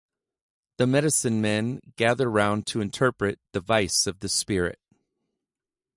The medicine-men gather round to interpret the vice of the spirit.